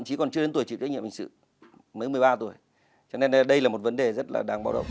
cho nên đây là một vấn đề rất là đáng báo động